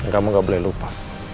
kamu gak boleh lupa